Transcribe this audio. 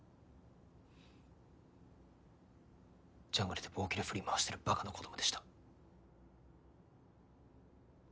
ジャングルで棒きれ振り回してるばかな子供でした。